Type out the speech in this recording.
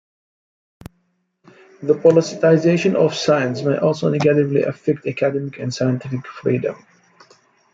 The politicization of science may also negatively affect academic and scientific freedom.